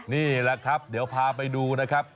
นี่แหละครับเดี๋ยวพาไปดูนะครับ